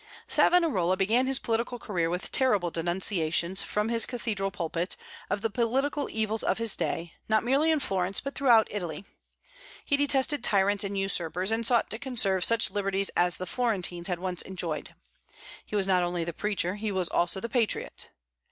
Savonarola began his political career with terrible denunciations, from his cathedral pulpit, of the political evils of his day, not merely in Florence but throughout Italy. He detested tyrants and usurpers, and sought to conserve such liberties as the Florentines had once enjoyed. He was not only the preacher, he was also the patriot.